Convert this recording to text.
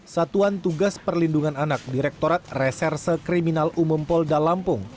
satuan tugas perlindungan anak direktorat reserse kriminal umum polda lampung